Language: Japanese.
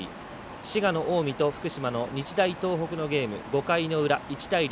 滋賀の近江と福島の日大東北のゲーム５回の裏、１対０。